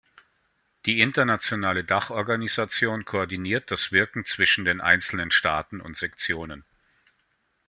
Die Internationale Dachorganisation koordiniert das Wirken zwischen den einzelnen Staaten und Sektionen.